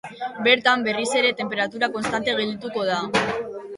Bertan, berriz ere, tenperatura konstante geldituko da.